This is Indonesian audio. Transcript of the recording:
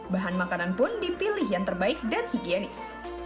bahan makanan pun dipilih yang terbaik dan higienis